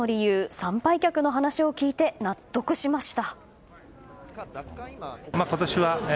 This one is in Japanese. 参拝客の話を聞いて納得しました。